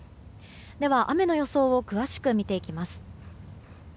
では、雨の予想を詳しく見ていきます。